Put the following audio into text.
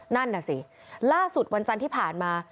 นั่นน่ะสิล่าสุดวันจันทร์ที่ผ่านมา